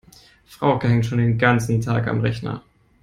Frauke hängt schon den ganzen Tag am Rechner.